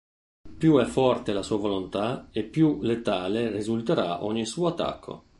Più è forte la sua volontà e più letale risulterà ogni suo attacco.